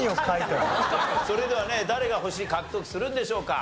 それではね誰が星獲得するんでしょうか。